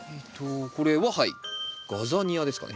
これははいガザニアですかね？